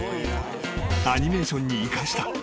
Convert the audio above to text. アニメーションに生かした］